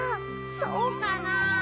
そうかな。